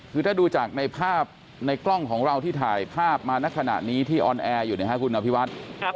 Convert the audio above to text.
คือถ้าดูจากในภาพในกล้องของเราที่ถ่ายภาพมาณขณะนี้ที่ออนแอร์อยู่นะครับคุณอภิวัฒน์